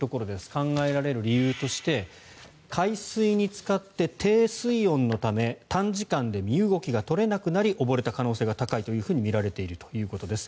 考えられる理由として海水につかって低水温のため短時間で身動きが取れなくなり溺れた可能性が高いとみられているということです。